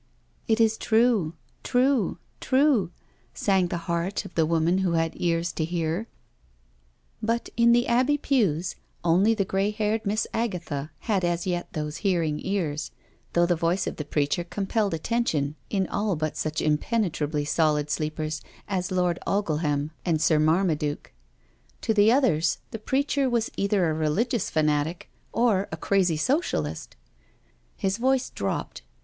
" It is true — true — true," sang the heart of the woman who had ears to hear. But in the Abbey pews only the grey haired Miss Agatha had as yet those hearing ears, though the voice of the preacher compelled attention in all but such im penetrably solid sleepers as Lord Ogleham and Sir 200 NO SURRENDER Mannaduke. To the others the preacher was either a religious fanatic, or a crazy Socialist. His voice dropped.